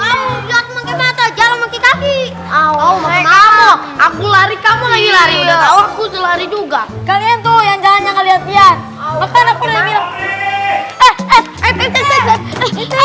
aku lari kamu lagi lari udah tahu aku selari juga kalian tuh yang jangan lihat lihat